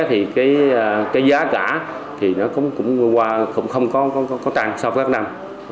thì cái giá cả thì nó cũng không có tăng so với các năm